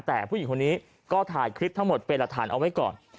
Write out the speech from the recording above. แต่ผู้หญิงคนนี้ก็ถ่ายคลิปทั้งหมดเป็นหลักฐานเอาไว้ก่อน